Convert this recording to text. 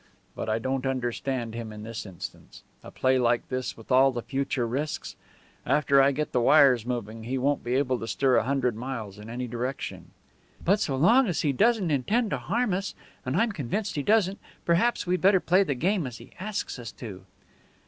But I don't understand him in this instance. A play like this, with all the future risks! After I get the wires moving he won't be able to stir a hundred miles in any direction." "But so long as he doesn't intend to harm us and I'm convinced he doesn't perhaps we'd better play the game as he asks us to."